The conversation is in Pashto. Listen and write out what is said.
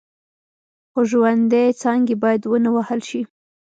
خو ژوندۍ څانګې باید ونه وهل شي.